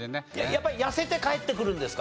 やっぱり痩せて帰ってくるんですか？